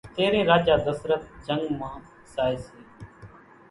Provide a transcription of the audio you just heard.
تيرين راجا ڌسترت جنگ مان زائي سي